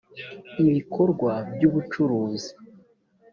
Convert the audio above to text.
ibikorwa by ubucuruzi